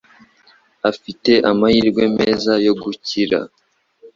Ufite amahirwe meza yo gukira.